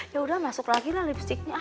ya udah masuk lagi lah lipsticknya